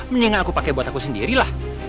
mendingan aku pakai buat aku sendiri lah